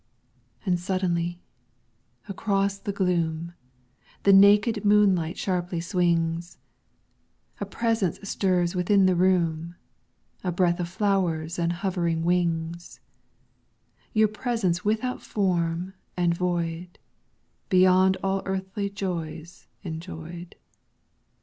And suddenly, across the gloom, The naked moonlight sharply swings; A Presence stirs within the room, A breath of flowers and hovering wings: Your presence without form and void, Beyond all earthly joys enjoyed.